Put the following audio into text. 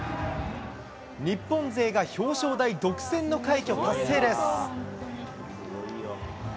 日本勢が表彰台独占の快挙達成です。